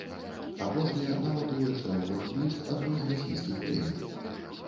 Апошняя нават увайшла ў лонг-ліст адной з расійскіх прэмій.